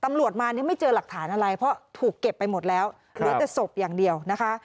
ตำรวจมาไม่เจอหลักฐานอะไรเพราะถูกเก็บไปหมดแล้ว